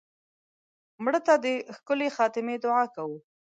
مړه ته د ښکلې خاتمې دعا کوو